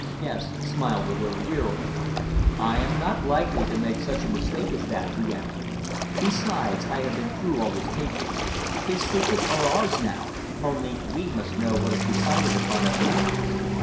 Guest smiled a little wearily. "I am not likely to make such a mistake as that," he answered. "Besides, I have been through all his papers. His secrets are ours now, only we must know what is decided upon at Lenox.